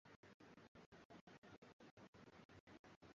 Ikonia iliundwa katika nchi za Asia Ndogo zilizoshindwa